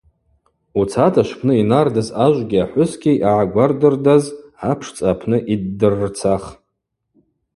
Уцата, швпны йнардыз ажвгьи ахӏвысгьи йъагӏагвардырдаз апшцӏа апны йддыррцах.